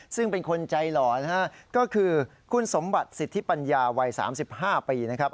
ซึ่งเป็นคนใจหล่อนะฮะก็คือคุณสมบัติสิทธิปัญญาวัย๓๕ปีนะครับ